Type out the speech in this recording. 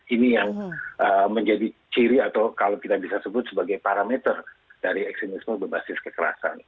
ini yang menjadi ciri atau kalau kita bisa sebut sebagai parameter dari ekstremisme berbasis kekerasan